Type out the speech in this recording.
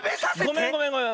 ごめんごめんごめん。